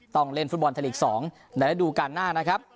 ต้องเล่นฟุตบอลไทยลีก๒ในระดูการหน้านะครับ